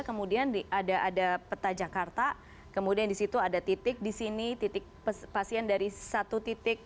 kemudian ada peta jakarta kemudian di situ ada titik di sini titik pasien dari satu titik